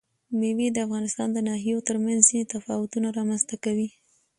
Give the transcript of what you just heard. مېوې د افغانستان د ناحیو ترمنځ ځینې تفاوتونه رامنځ ته کوي.